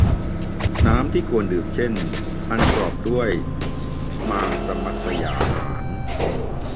น้ำที่ควรดื่ม เช่น อันกอปรด้วยมางษมัศยาหาร